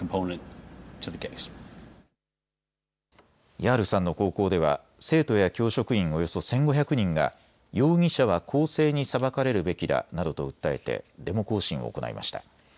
ヤールさんの高校では生徒や教職員およそ１５００人が容疑者は公正に裁かれるべきだなどと訴えてデモ行進を行いました。